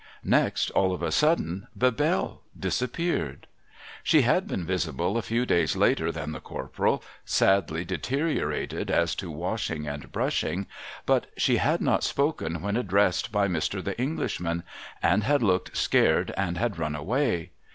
Next, all of a sudden, Bebelle disappeared. She had been visible a few days later than the Corporal, — sadly deteriorated as to washing and brushing, — but she had not spoken when addressed by Mr. The Englishman, and had looked scared and had run away.